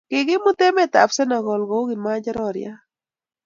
kikimut emet ab senegal kou kimonjororiat